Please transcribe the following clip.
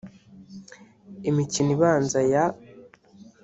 imikino ibanza ya /